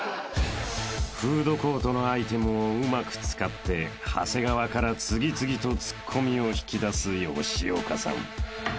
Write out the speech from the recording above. ［フードコートのアイテムをうまく使って長谷川から次々とツッコミを引き出す吉岡さん］